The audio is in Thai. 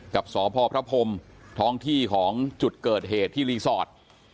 กับสพพระพรมท้องที่ของจุดเกิดเหตุที่รีสอร์ท